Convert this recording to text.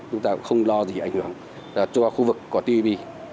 chúng ta không lo gì ảnh hưởng cho khu vực của tpp